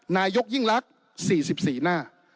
นายกยิ่งรัก๔๔หน้า